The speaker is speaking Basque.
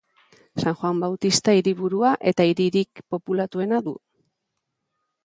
San Juan Bautista hiriburua eta hiririk populatuena du.